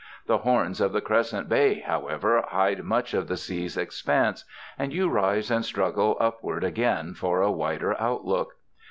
The horns of the crescent bay, however, hide much of the sea's expanse, and you rise and struggle up ward again for a wider outlook.